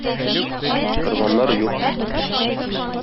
Корбаннар юк.